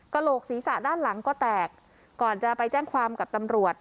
โหลกศีรษะด้านหลังก็แตกก่อนจะไปแจ้งความกับตำรวจ